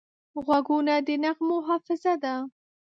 غوږونه د نغمو حافظه ده